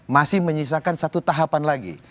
masih menyisakan satu tahapan lagi